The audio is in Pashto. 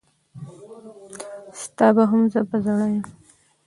ستا به هم زه په زړه یم.